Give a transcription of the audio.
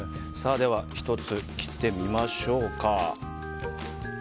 では、１つ切ってみましょうか。